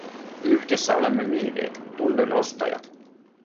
Yhdessä olemme myyneet, tunnen ostajat.